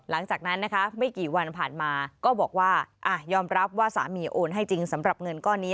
หลังจากนั้นนะคะไม่กี่วันผ่านมาก็บอกว่ายอมรับว่าสามีโอนให้จริงสำหรับเงินก้อนนี้